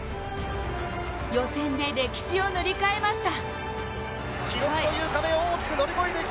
予選で歴史を塗り替えました。